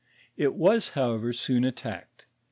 It was, however, soon attacked.